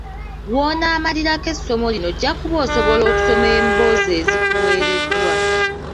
W'onaamalirako essomo lino ojja kuba osobola okusoma emboozi ezikuweereddwa.